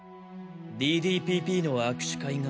ＤＤＰＰの握手会が。